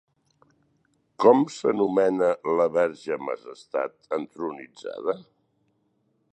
Com s'anomena la Verge Majestat entronitzada?